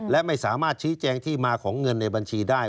และไม่สามารถชี้แจงที่มาของเงินในบัญชีได้